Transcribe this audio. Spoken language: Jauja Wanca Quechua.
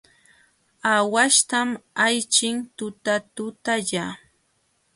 Aawaśhtam ayćhin tutatutalla.